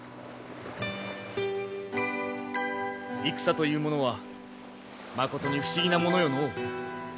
戦というものはまことに不思議なものよのう。